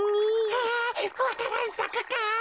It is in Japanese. あわか蘭さくか？